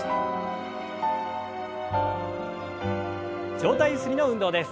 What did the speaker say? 上体ゆすりの運動です。